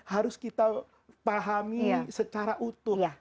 harus kita pahami secara utuh lah